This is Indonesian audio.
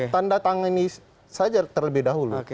tanda tangan ini saja terlebih dahulu